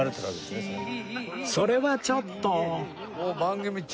それはちょっと